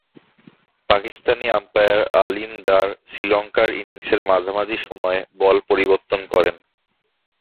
Pakistani umpire Aleem Dar শ্রীলঙ্কার ইনিংসের মাঝামাঝি সময়ে বল পরিবর্তন করেন।